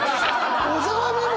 小沢メモ